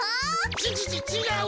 ちちちちがう！